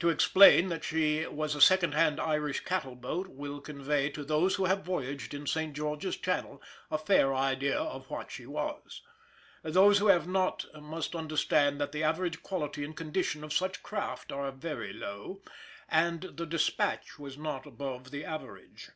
To explain that she was a second hand Irish cattle boat will convey to those who have voyaged in St. George's Channel a fair idea of what she was. Those who have not must understand that the average quality and condition of such craft are very low, and the Despatch was not above the average.